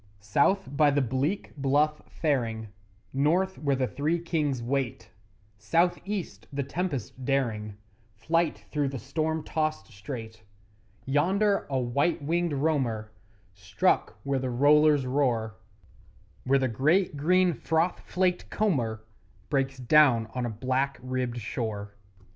South by the bleak Bluff faring, North where the Three Kings wait, South east the tempest daring Flight through the storm tossed strait; Yonder a white winged roamer Struck where the rollers roar Where the great green froth flaked comber Breaks down on a black ribbed shore.